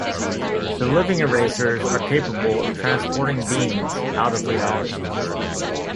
The Living Erasers are capable of transporting beings out of reality.